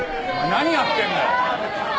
何やってんだよ。